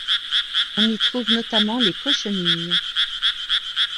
On y trouve notamment les cochenilles.